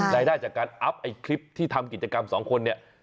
รายได้จากการอัพไอ้คลิปที่ทำกิจกรรมสองคนเนี่ย